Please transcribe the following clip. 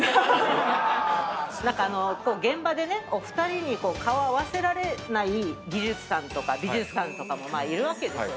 何かあの現場でねお二人に顔合わせられない技術さんとか美術さんとかもいるわけですよね。